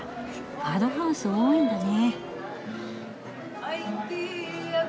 ファドハウス多いんだね。